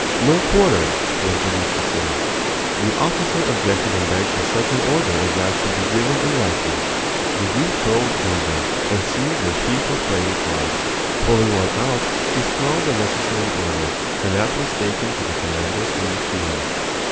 "No quarter!" he was believed to say. The officer objected and begged that such an order as that should be given in writing. The duke rolled over and seized a sheaf of playing cards. Pulling one out, he scrawled the necessary order, and that was taken to the commanders in the field.